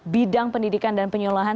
bidang pendidikan dan penyelolaan